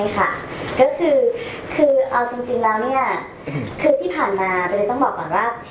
ก็คือเอาจริงแล้วเนี่ยคือที่ผ่านมาก็เลยต้องบอกก่อนว่า